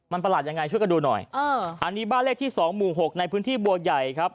มันประหลาดยังไงช่วยกันดูหน่อยอันนี้บ้านเลขที่สองหมู่หกในพื้นที่บัวใหญ่ครับ